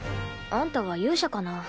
あんたは勇者かな？